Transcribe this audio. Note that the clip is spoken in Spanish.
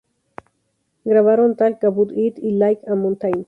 Grabaron "Talk About It" y "Like A Mountain".